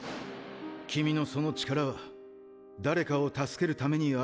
「君のその力は誰かを助けるためにあるんだ」って。